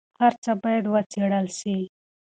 هر څه باید وڅېړل سي.